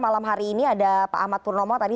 malam hari ini ada pak ahmad purnomo tadi